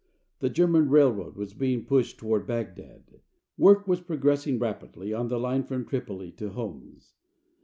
The German railroad was being pushed toward Bagdad. Work was progressing rapidly on the line from Tripoli to Homs.